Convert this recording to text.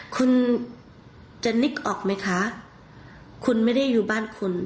คุณจะนึกออกไหมคะคุณไม่ได้อยู่บ้านคุณ